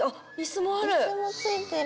イスもついてる！